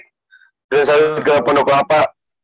durun sawit ke pondok lapa